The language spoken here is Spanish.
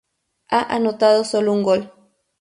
Ha anotado solo un gol.